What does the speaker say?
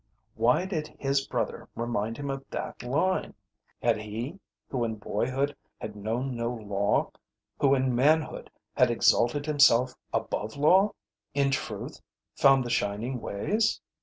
Why did his brother remind him of that line? Had he, who in boyhood had known no law, who in manhood had exalted himself above law, in truth found the shining ways?